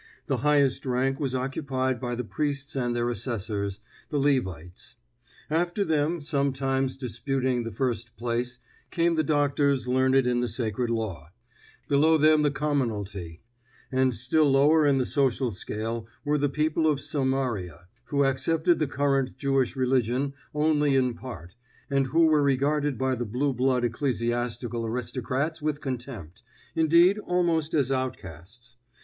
The highest rank was occupied by the priests and their assessors, the Levites; after them, sometimes disputing the first place, came the doctors learned in the sacred law; below them the commonalty; and still lower in the social scale were the people of Samaria, who accepted the current Jewish religion only in part, and who were regarded by the blue blood ecclesiastical aristocrats with contempt, indeed almost as outcasts.